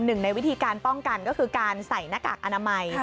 หนึ่งในวิธีการป้องกันก็คือการใส่หน้ากากอนามัย